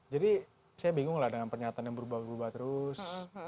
jadi saya bingung lah dengan pernyataan yang berubah berubah terus